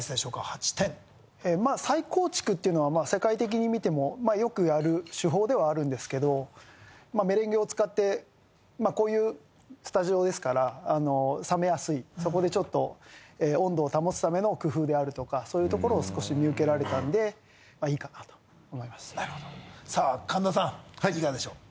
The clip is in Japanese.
８点まあ再構築っていうのは世界的に見てもよくやる手法ではあるんですけどメレンゲを使ってこういうスタジオですから冷めやすいそこでちょっと温度を保つための工夫であるとかそういうところを少し見受けられたんでまあいいかなと思いましたなるほどさあ神田さんいかがでしょう？